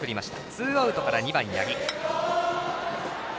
ツーアウトから２番、八木。